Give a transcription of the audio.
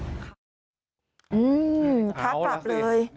อื้อค้ากลับเลย